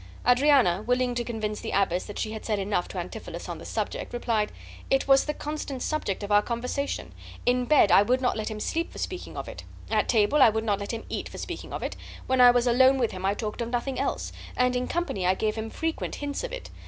Adriana, willing to convince the abbess that she had said enough to Antipholus on this subject, replied: "It was the constant subject of our conversation; in bed I would not let him sleep for speaking of it. At table I would not let him eat for speaking of it. When I was alone with him I talked of nothing else; and in company I gave him frequent hints of it.